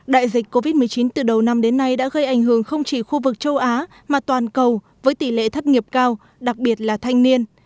đại dịch covid một mươi chín từ đầu năm đến nay đã gây ảnh hưởng không chỉ khu vực châu á mà toàn cầu với tỷ lệ thất nghiệp cao đặc biệt là thanh niên